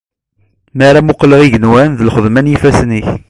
Mi ara muqqleɣ igenwan, lxedma n yifassen-ik.